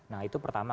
nah itu pertama